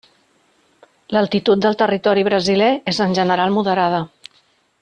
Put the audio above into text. L'altitud del territori brasiler és en general moderada.